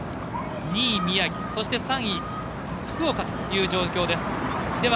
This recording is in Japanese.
２位宮城、３位福岡という状況です。